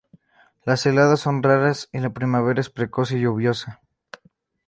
Las heladas son raras y la primavera es precoz y lluviosa.